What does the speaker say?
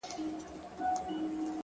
لکه ناآرامه ماسوم شپه ورځ مسلسل ژاړي!